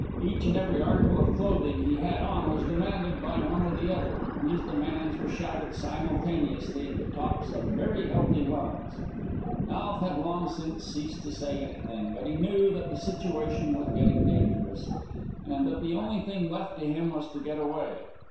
Each and every article of clothing he had on was demanded by one or another, and these demands were shouted simultaneously at the tops of very healthy lungs. Alf had long since ceased to say anything, but he knew that the situation was getting dangerous, and that the only thing left to him was to get away.